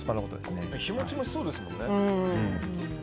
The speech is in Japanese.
日持ちもしそうですもんね。